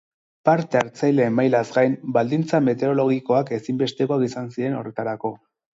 Parta hartzaileen mailaz gain, baldintza meteorologikoak ezinbestekoak izan ziren horretarako.